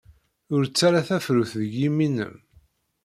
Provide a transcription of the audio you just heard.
Ur ttarra tafrut deg yimi-nnem.